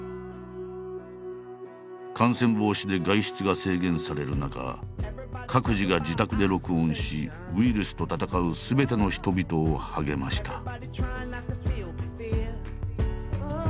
感染防止で外出が制限される中各自が自宅で録音しウイルスと闘うすべての人々を励ました。